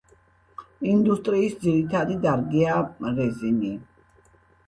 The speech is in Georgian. ინდუსტრიის ძირითადი დარგია რეზინი.